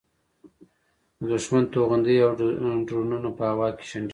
د دوښمن توغندي او ډرونونه په هوا کې شنډېږي.